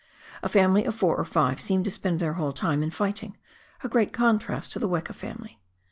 A family of four or five seem to spend their whole time in fighting — a great contrast to the weka family.